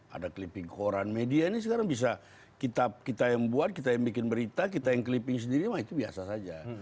ada clipping koran media ini sekarang bisa kita yang buat kita yang bikin berita kita yang clipping sendiri wah itu biasa saja